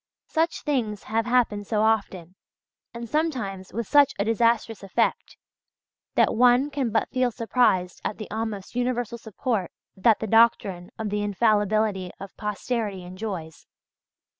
Such things have happened so often, and sometimes with such a disastrous effect, that one can but feel surprised at the almost universal support that the doctrine of the infallibility of posterity enjoys.